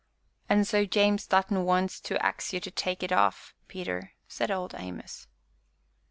"An' so James Dutton wants to ax ye to tak' it off, Peter," said Old Amos.